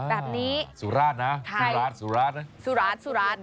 แบบนี้ไทยสุราชนะสุราชสุราชสุราช